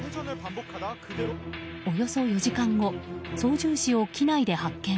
およそ４時間後操縦士を機内で発見。